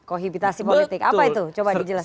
kohibitasi politik apa itu coba dijelaskan